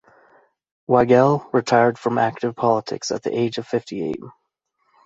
Wiegel retired from active politics at the age of fifty-eight.